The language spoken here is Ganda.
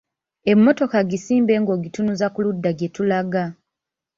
Emmotoka gisimbe ng'ogitunuza ku ludda gye tulaga.